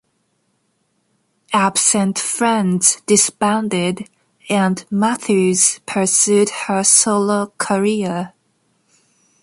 Absent Friends disbanded and Matthews pursued her solo career.